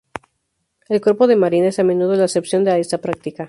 El cuerpo de marina es a menudo la excepción a esta práctica.